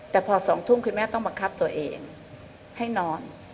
แต่พอ๒ทุ่มคุณแม่ต้องบังคับตัวเองให้นอน